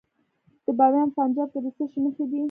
د بامیان په پنجاب کې د څه شي نښې دي؟